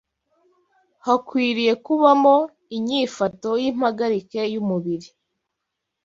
hakwiriye kubamo inyifato y’impagarike y’umubiri,